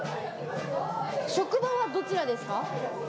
職場はどちらですか？